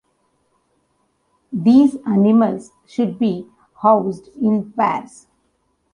These animals should be housed in pairs.